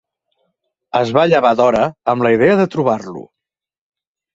Es va llevar d'hora amb la idea de trobar-lo.